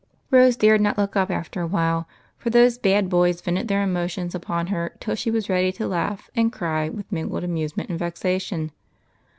Rose dared not look up after a while, for these bad boys vented their emotions upon her till she was ready to laugh and cry with mingled amusement and vexation.